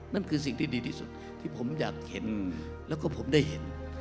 นั่นคือสิ่งที่ดีที่สุดที่ผมอยากเห็นแล้วก็ผมได้เห็น